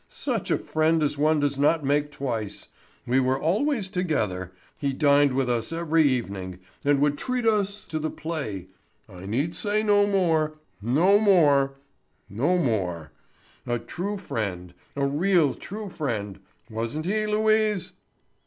Such a friend as one does not make twice—we were always together—he dined with us every evening—and would treat us to the play—I need say no more—no more—no more. A true friend—a real true friend—wasn't he, Louise?"